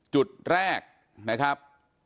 จุดแรกนะครับ